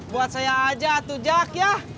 buat saya aja tuh jak ya